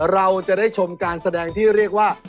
เราจะได้ชมการแสดงที่เรียกว่า